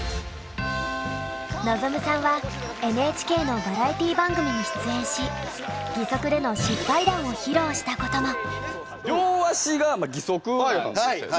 望さんはＮＨＫのバラエティー番組に出演し義足での失敗談を披露したことも。